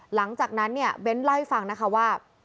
หลังจากนั้นเนี่ยเบ้นเล่าให้ฟังนะคะว่า